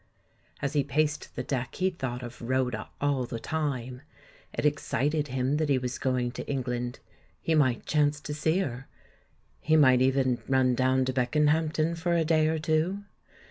As he paced the deck he thought of Rhoda all the time ; it excited him that he was going to Eng land, he might chance to see her — he might even run down to Beckenhampton for a day or two?